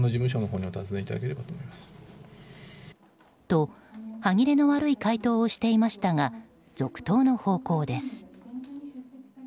と、歯切れの悪い回答をしていましたが続投の方向です。